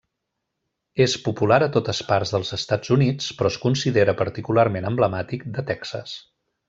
És popular a totes parts dels Estats Units però es considera particularment emblemàtic de Texas.